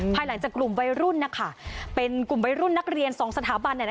ภายหลังจากกลุ่มวัยรุ่นนะคะเป็นกลุ่มวัยรุ่นนักเรียนสองสถาบัน